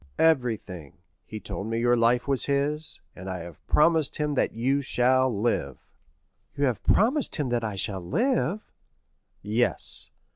"Everything. He told me your life was his, and I have promised him that you shall live." "You have promised him that I shall live?" "Yes."